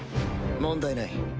問題ない。